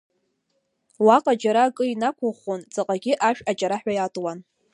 Уаҟа џьара акы инақәыӷәӷәон, ҵаҟагьы ашә аҷараҳәа иатуан.